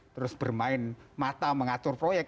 terus bermain mata mengatur proyek